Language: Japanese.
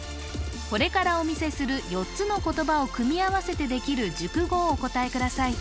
これからお見せする４つの言葉を組み合わせてできる熟語をお答えください